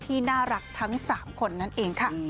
ที่น่ารักทั้ง๓คนนั่นเองค่ะ